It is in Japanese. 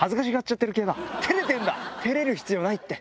照れる必要ないって！